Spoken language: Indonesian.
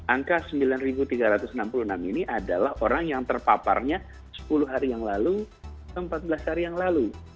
angka sembilan tiga ratus enam puluh enam ini adalah orang yang terpaparnya sepuluh hari yang lalu atau empat belas hari yang lalu